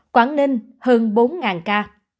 quảng ninh hơn bốn ca